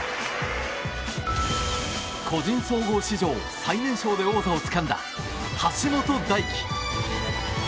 個人総合史上最年少で王座をつかんだ橋本大輝。